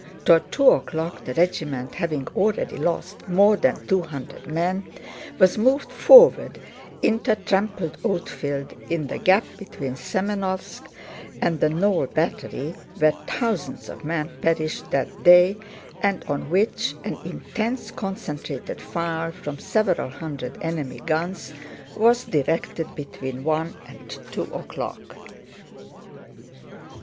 Toward two o'clock the regiment, having already lost more than two hundred men, was moved forward into a trampled oatfield in the gap between Semënovsk and the Knoll Battery, where thousands of men perished that day and on which an intense, concentrated fire from several hundred enemy guns was directed between one and two o'clock.